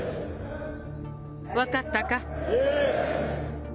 分かったか。